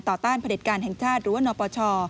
ต่อต้านประเด็นการแห่งชาติหรือว่านอปช